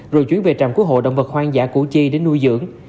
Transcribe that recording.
rồi chuyển về trạm cứu hộ động vật hoang dã củ chi để nuôi dưỡng